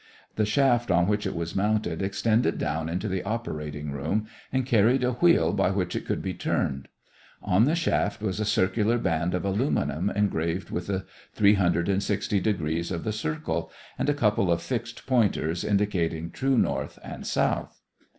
The shaft on which it was mounted extended down into the operating room and carried a wheel by which it could be turned. On the shaft was a circular band of aluminum engraved with the 360 degrees of the circle, and a couple of fixed pointers indicated true north and south.